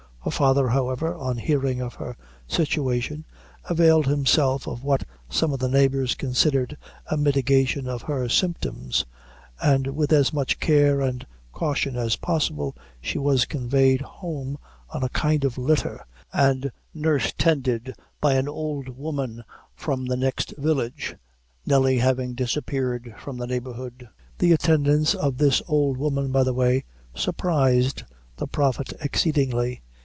Her father, however, on hearing of her situation, availed himself of what some of the neighbors considered a mitigation of her symptoms, and with as much care and caution as possible, she was conveyed home on a kind of litter, and nurse tended by an old woman from the next village, Nelly having disappeared from the neighborhood. The attendance of this old woman, by the way, surprised the Prophet exceedingly.